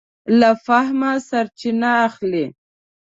له فهمه سرچینه اخلي.